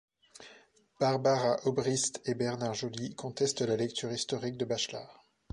Barbara Obrist et Bernard Joly contestent la lecture historique de Bachelard.